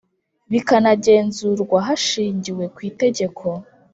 bikanagenzurwa hashingiwe ku itegeko